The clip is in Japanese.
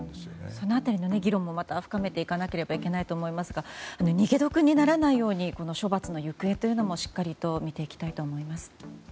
その辺りの議論も深めていかなくてはいけませんが逃げ得にならないようにこの処罰の行方というのもしっかり見ていきたいと思います。